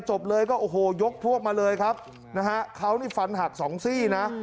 จบเลยก็โอ้โหยกพวกมาเลยครับนะฮะเขานี่ฟันหักสองซี่นะ